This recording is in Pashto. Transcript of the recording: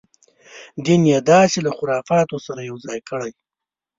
دین یې داسې له خرافاتو سره یو ځای کړی.